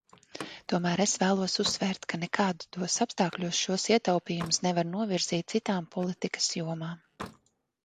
Tomēr es vēlos uzsvērt, ka nekādos apstākļos šos ietaupījumus nevar novirzīt citām politikas jomām.